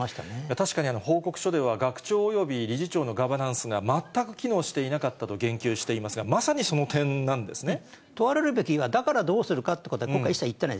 確かに報告書では学長および理事長のガバナンスが全く機能していなかったと言及していますが、問われるべきは、だからどうするかということは一切言ってない。